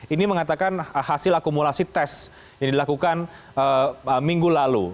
ini mengatakan hasil akumulasi tes yang dilakukan minggu lalu